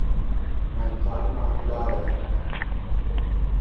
Mein Partner hat Ladehemmungen.